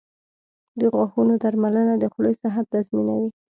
• د غاښونو درملنه د خولې صحت تضمینوي.